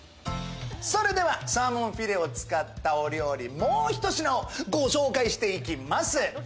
それではサーモンフィレを使ったお料理、もうひと品をご紹介していきます。